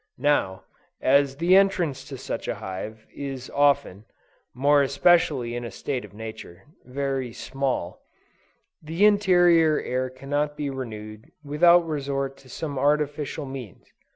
Now, as the entrance to such a hive, is often, (more especially in a state of nature,) very small, the interior air cannot be renewed without resort to some artificial means.